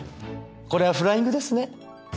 これはフライングですね。